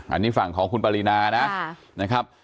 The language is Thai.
อันนี้ฝั่งของคุณปรินานะครับ